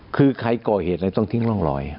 คือใครก่อเหตุอะไรต้องทิ้งร่องรอย